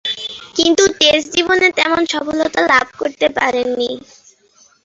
কিন্তু টেস্ট জীবনে তেমন সফলতা লাভ করতে পারেননি।